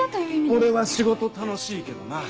俺は仕事楽しいけどな。